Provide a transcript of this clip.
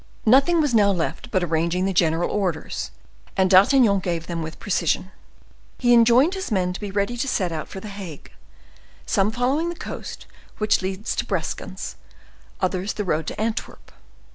Nothing was now left but arranging the general orders, and D'Artagnan gave them with precision. He enjoined his men to be ready to set out for the Hague, some following the coast which leads to Breskens, others the road to Antwerp.